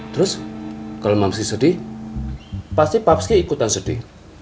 terus kalau masih sedih pasti papski ikutan sedih